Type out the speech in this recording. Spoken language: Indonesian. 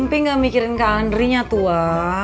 bi gak mikirin ke andri nya tua